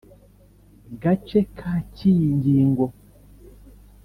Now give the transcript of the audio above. Gace ka cy iyi ngingo